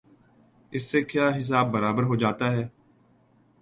اس سے کیا حساب برابر ہو جاتا ہے؟